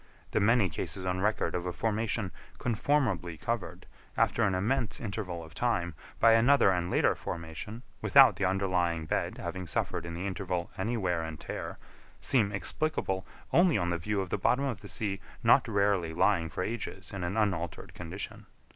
The many cases on record of a formation conformably covered, after an immense interval of time, by another and later formation, without the underlying bed having suffered in the interval any wear and tear, seem explicable only on the view of the bottom of the sea not rarely lying for ages in an unaltered condition.